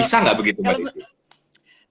bisa gak begitu mbak desy